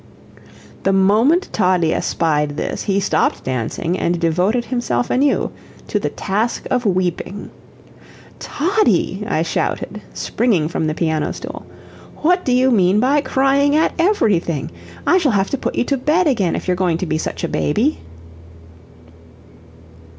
The moment Toddie espied this he stopped dancing and devoted himself anew to the task of weeping. "Toddie," I shouted, springing from the piano stool, "what do you mean by crying at everything? I shall have to put you to bed again, if you're going to be such a baby."